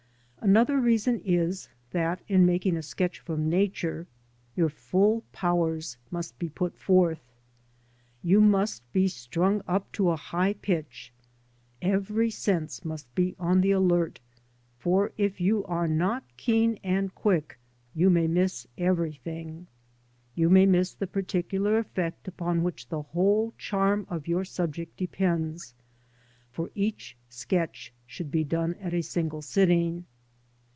Another reason is, that in making a sketch from Nature, your full powers must be put forth. You must be strung up to a high pitch. Every sense must be on the alert, for if you are not keen and quick you may miss everything. You may miss the particular effect upon which the whole charm of your subject depends, for each sketch should be done at a single sitting.